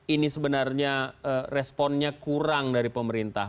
ini sebenarnya responnya kurang dari pemerintah